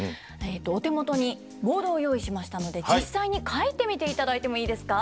お手元にボードを用意しましたので実際に書いてみていただいてもいいですか？